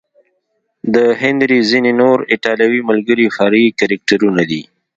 د هنري ځینې نور ایټالوي ملګري فرعي کرکټرونه دي.